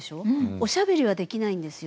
おしゃべりはできないんですよ